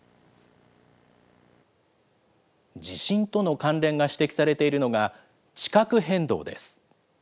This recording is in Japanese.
地震との関連が指摘されているのが、地殻変動です。